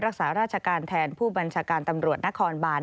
รักษาราชการแทนผู้บัญชาการตำรวจนครบาน